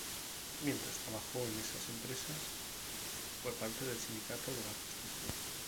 Mientras trabajó en esas empresas, fue parte del Sindicato de la Construcción.